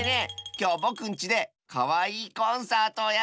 きょうぼくんちでかわいいコンサートをやるんだ！